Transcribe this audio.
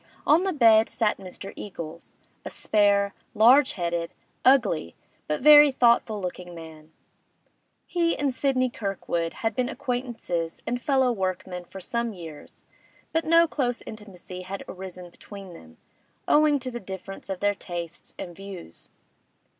On the bed sat Mr. Eagles, a spare, large headed, ugly, but very thoughtful looking man; he and Sidney Kirkwood had been acquaintances and fellow workmen for some years, but no close intimacy had arisen between them, owing to the difference of their tastes and views.